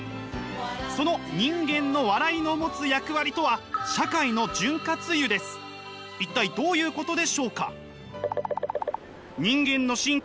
その人間の笑いの持つ役割とは一体どういうことでしょうか？